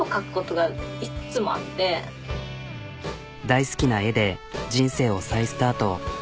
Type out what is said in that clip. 大好きな絵で人生を再スタート。